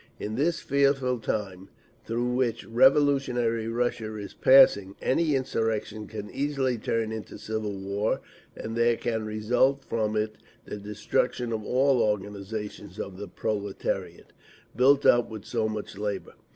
In this fearful time through which revolutionary Russia is passing, any insurrection can easily turn into civil war, and there can result from it the destruction of all organisations of the proletariat, built up with so much labour….